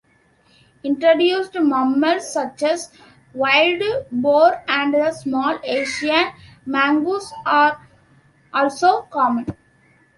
Introduced mammals such as wild boar and the small Asian mongoose are also common.